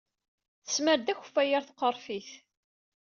Tesmar-d akeffay ɣer tqerfit.